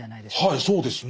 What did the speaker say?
はいそうですね。